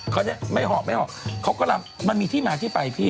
เขาจะไม่เหาะไม่เหาะเขาก็ลำมันมีที่มาที่ไปพี่